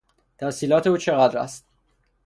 تحصیلات او چقدر است؟